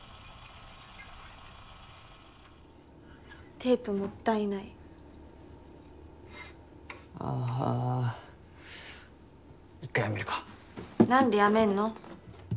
テープもったいないああ１回やめるかなんでやめんの。